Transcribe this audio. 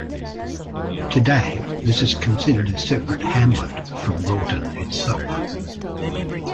Today, this is considered a separate hamlet from Broughton itself.